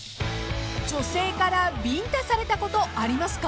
［女性からビンタされたことありますか？］